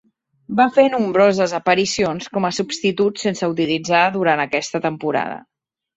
Va fer nombroses aparicions com a substitut sense utilitzar durant aquesta temporada.